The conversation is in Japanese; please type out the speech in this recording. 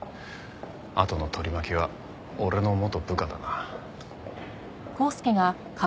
あとの取り巻きは俺の元部下だな。